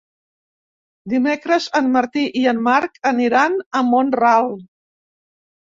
Dimecres en Martí i en Marc aniran a Mont-ral.